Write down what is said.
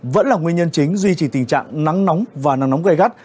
vẫn là nguyên nhân chính duy trì tình trạng nắng nóng và nắng nóng gây gắt